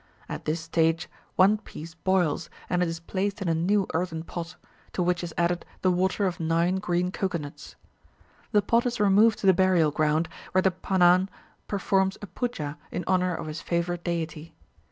At this stage one piece boils, and it is placed in a new earthen pot, to which is added the water of nine green cocoanuts. The pot is removed to the burial ground, where the Panan performs a puja in honour of his favourite deity.